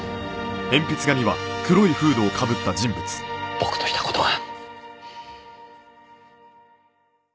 僕とした事が。